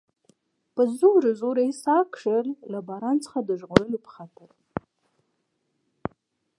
په زوره زوره یې ساه کښل، له باران څخه د ژغورلو په خاطر.